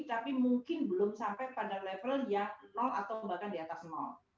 tapi mungkin belum sampai pada level yang atau bahkan di atas